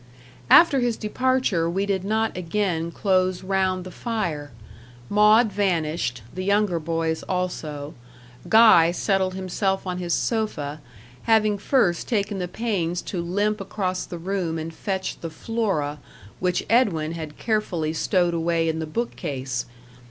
After his departure we did not again close round the fire. Maud vanished; the younger boys also; Guy settled himself on his sofa, having first taken the pains to limp across the room and fetch the Flora, which Edwin had carefully stowed away in the book case.